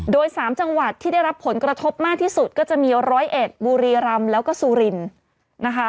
โดย๓จังหวัดที่ได้รับผลกระทบมากที่สุดก็จะมีร้อยเอ็ดบุรีรำแล้วก็สุรินนะคะ